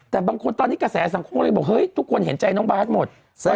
แต่บางคนตอนนี้กระแสสังคมก็เลยบอกเฮ้ยทุกคนเห็นใจน้องบาสหมด